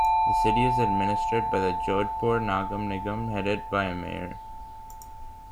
The city is administered by the Jodhpur Nagar Nigam headed by a mayor.